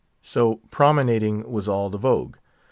So promenading was all the vogue.